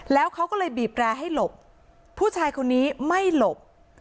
แล้วเขาก็เลยบีบแร่ให้หลบผู้ชายคนนี้ไม่หลบ